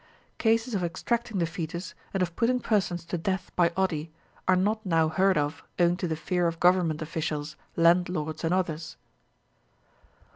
Cases of extracting the foetus, and of putting persons to death by odi, are not now heard of owing to the fear of government officials, landlords, and others.